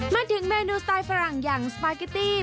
มาถึงเมนูสไตล์ฝรั่งอย่างสปาเกตตี้